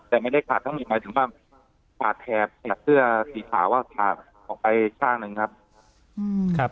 แต่ไม่ได้ขาดทั้งหมดหมายถึงว่าขาดแถบเสื้อสีขาวขาดออกไปข้างหนึ่งครับ